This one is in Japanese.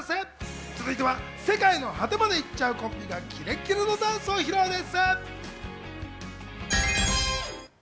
続いては世界の果てまで行っちゃうコンビがキレッキレのダンスを披露です。